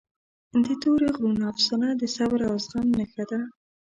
د تورې غرونو افسانه د صبر او زغم نښه ده.